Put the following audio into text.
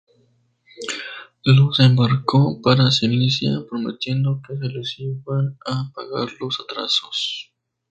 Los embarcó para Sicilia prometiendo que se les iban a pagar los atrasos.